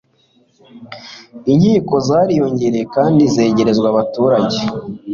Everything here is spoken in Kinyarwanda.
inkiko zariyongereye kandi zegerezwa abaturage